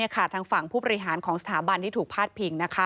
ทางฝั่งผู้บริหารของสถาบันที่ถูกพาดพิง